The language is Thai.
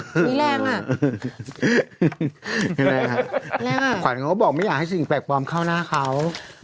จริงแนะอร์แกนิคเขาบอกไม่อยากให้สิ่งแปลกปลอมเข้าหน้าเขา